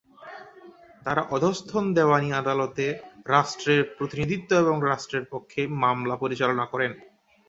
তারা অধস্তন দেওয়ানি আদালতে রাষ্ট্রের প্রতিনিধিত্ব এবং রাষ্ট্রের পক্ষে মামলা পরিচালনা করেন।